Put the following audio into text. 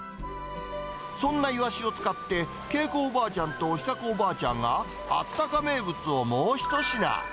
そんなイワシを使って、敬子おばあちゃんと久子おばあちゃんがあったか名物をもう一品。